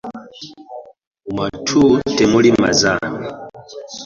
Mu matu temuli mazaana .